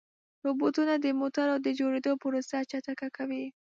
روبوټونه د موټرو د جوړېدو پروسه چټکه کوي.